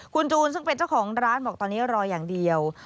คุณจูนซึ่งเป็นเจ้าของร้านบอกตอนนี้รออย่างเดียว